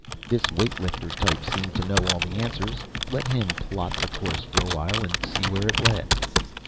This weight lifter type seemed to know all the answers. Let him plot the course for a while and see where it led.